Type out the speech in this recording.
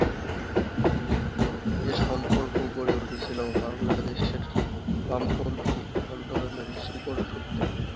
এ সম্পর্ক গড়ে উঠেছিল বাংলাদেশের বামপন্থী আন্দোলনের শিকড়সূত্রে।